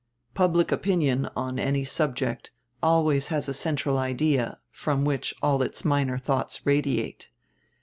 Public opinion, on any subject, always has a "central idea," from which all its minor thoughts radiate.